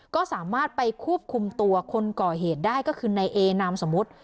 ก็สามารถไปควบคุมตัวคนก่อเหตุได้ก็คือในเอนามสมมุติ